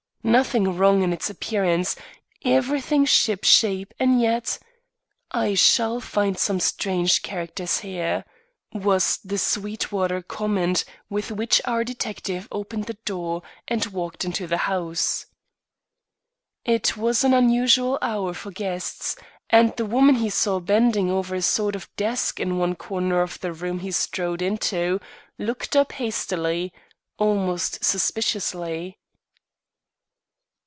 Nothing wrong in its appearance, everything ship shape and yet "I shall find some strange characters here," was the Sweetwater comment with which our detective opened the door and walked into the house. It was an unusual hour for guests, and the woman whom he saw bending over a sort of desk in one corner of the room he strode into, looked up hastily, almost suspiciously.